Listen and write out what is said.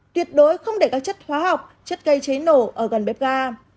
tuyệt đối không để các chất hóa học chất gây cháy nổ ở gần bếp ga